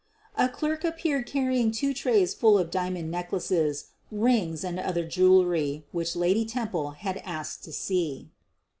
' A clerk appeared carrying two trays full of dia mond necklaces, rings, and other jewelry which Lady Temple had asked to see.